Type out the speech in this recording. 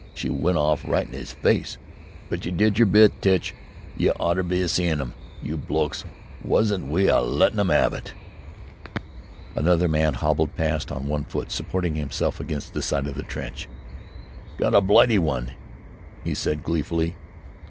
She went off right in 'is face! But you did yer bit, Tich! You ought to 'a' seen 'im, you blokes! Wasn't 'e a lettin' 'em 'ave it!" Another man hobbled past on one foot, supporting himself against the side of the trench. "Got a Blightey one," he said gleefully.